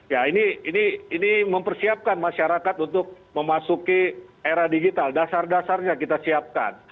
ya ini mempersiapkan masyarakat untuk memasuki era digital dasar dasarnya kita siapkan